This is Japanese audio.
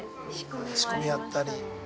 仕込みやったり。